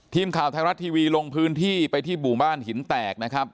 ทีมข่าวไทยรัฐทีวีลงพื้นที่ไปที่หมู่บ้านหินแตกนะครับ